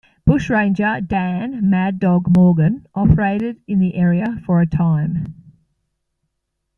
Bushranger Dan 'Mad Dog' Morgan operated in the area for a time.